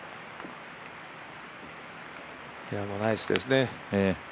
ナイスですね。